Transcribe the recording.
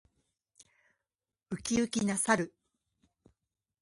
ウキウキな猿。